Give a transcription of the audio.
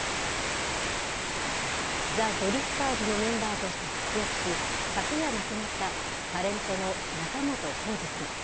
ザ・ドリフターズのメンバーとして活躍し、昨夜亡くなったタレントの仲本工事さん。